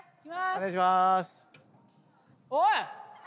お願いしまーす。